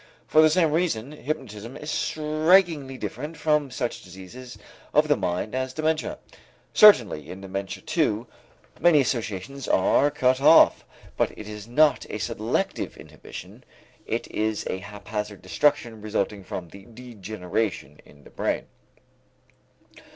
For the same reason, hypnotism is strikingly different from such diseases of the mind as dementia. Certainly in dementia too, many associations are cut off, but it is not a selective inhibition, it is a haphazard destruction resulting from the degeneration in the brain.